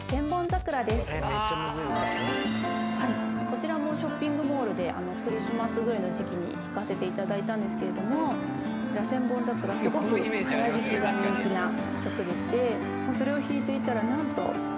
こちらもショッピングモールでクリスマスぐらいの時期に弾かせていただいたんですけどもこちら『千本桜』すごく早弾きが人気な曲でしてそれを弾いていたら何とちっちゃい女の子がですね